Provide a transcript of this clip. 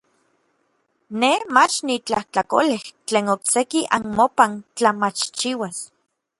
Nej mach nitlajtlakolej tlen okseki anmopan tla machchiuas.